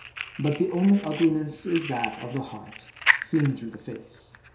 But the only ugliness is that of the heart, seen through the face.